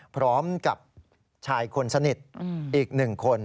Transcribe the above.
พร้อมกับชายคนสนิทอีก๑คน